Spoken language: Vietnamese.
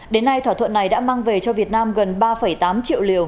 đến nay thỏa thuận này đã mang về cho việt nam gần ba tám triệu liều